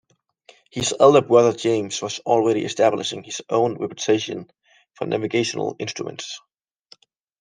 His elder brother James was already establishing his own reputation for navigational instruments.